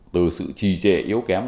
từ sự trì trệ yếu kém